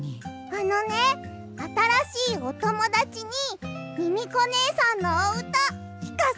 あのねあたらしいおともだちにミミコねえさんのおうたきかせてあげたいんだ。